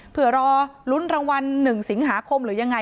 เพื่อรอลุ้นรางวัล๑สิงหาคมหรือยังไง